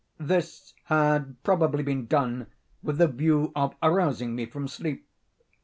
This had probably been done with the view of arousing me from sleep.